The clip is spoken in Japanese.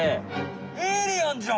エイリアンじゃん！